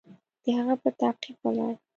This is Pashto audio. د هغه په تعقیب ولاړ.